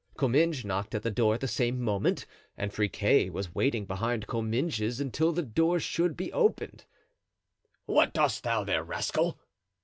Comminges knocked at the door at the same moment, and Friquet was waiting behind Comminges until the door should be opened. "What dost thou there, rascal?"